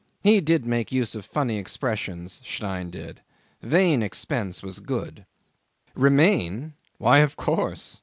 He did make use of funny expressions Stein did. "Vain expense" was good. ... Remain? Why! of course.